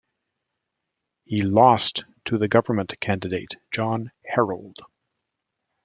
He lost to the Government candidate, John Harold.